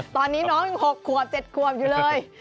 ตอนนี้น้องยัง๖ขวบ๗ขวบอยู่เลย